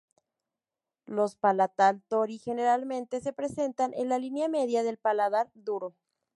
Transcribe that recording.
Los palatal tori generalmente se presentan en la línea media del paladar duro.